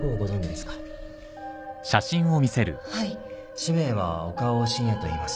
氏名は岡尾芯也といいます